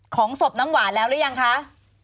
ของศพน้ำหวานแล้วหรือยังคะ